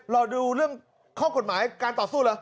รอดูเรื่องข้อกฎหมายการต่อสู้เหรอ